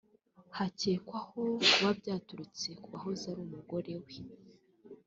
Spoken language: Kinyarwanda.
hakekwaho kuba byaturutse ku wahoze ari umugore we